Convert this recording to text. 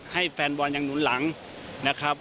ให้แฟนบอลยังหนุนหลังนะครับ